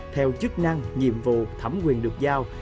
theo chức năng nhiệm vụ thẩm quyền được giao